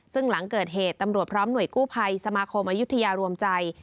ซึ่งหลังเกิดเหตุตำรวจพร้อมหน่วยกู้ภัยสมาคมอายุทยารวมใจ